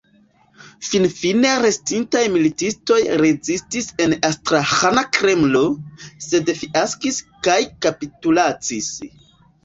Finfine restintaj militistoj rezistis en Astraĥana Kremlo, sed fiaskis kaj kapitulacis.